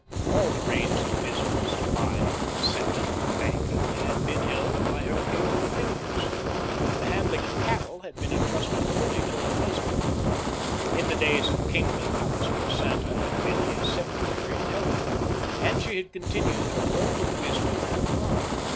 All the reins of business—buying, selling, and banking—had been held by her capable fingers. The handling of cattle had been entrusted fully to her husband. In the days of "King" McAllister, Santa had been his secretary and helper; and she had continued her work with wisdom and profit.